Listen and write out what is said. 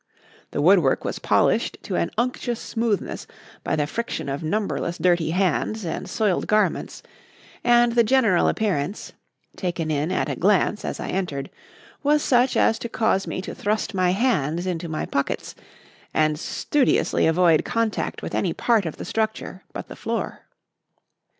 The woodwork was polished to an unctuous smoothness by the friction of numberless dirty hands and soiled garments, and the general appearance taken in at a glance as I entered was such as to cause me to thrust my hands into my pockets and studiously avoid contact with any part of the structure but the floor.